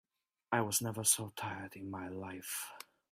I was never so tired in my life.